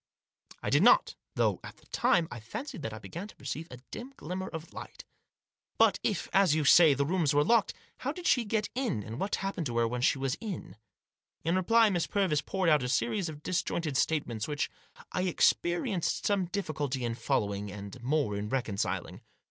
I did not, though, at the same time, I fancied that I began to perceive a dim glimmer of light " But if, as you say, the rooms were locked, how did she get in, and what happened to her when she was in ?" In reply Miss Purvis poured out a series of dis jointed statements which I experienced some difficulty in following, and more in reconciling.